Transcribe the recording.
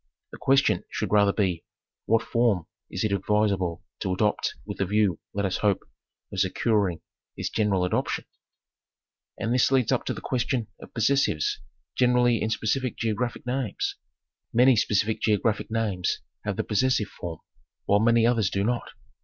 The question should rather be, what form is it advisable to adopt with the view, let us hope, of securing its general adoption ? And this leads up to the question of possessives generally im specific geographic names. Many specific geographic names have the possessive form, while many others do not.